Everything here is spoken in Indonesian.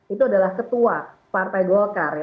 itu adalah ketua partai golkar ya